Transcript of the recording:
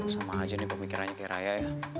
sama aja nih pemikirannya ki raya ya